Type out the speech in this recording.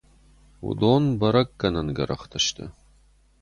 Уыдон бӕрӕггӕнӕн гӕрӕхтӕ сты.